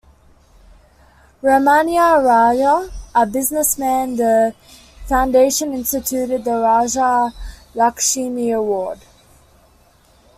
Ramaniah Raja, a businessman, the Foundation instituted the Raja-Lakshmi Award.